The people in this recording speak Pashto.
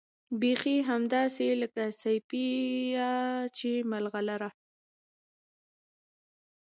بيخي همداسې لکه سيپۍ چې ملغلره